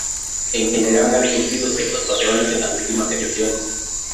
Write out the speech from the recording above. En general han surgido ciertos patrones en las últimas elecciones.